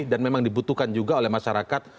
dan memang dibutuhkan juga oleh masyarakat